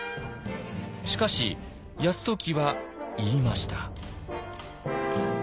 しかし泰時は言いました。